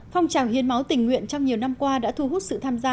phong trào hiến máu tình nguyện trong nhiều năm qua đã thu hút sự tham gia